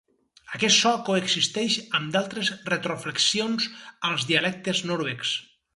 Aquest so coexisteix amb d'altres retroflexions als dialectes noruecs.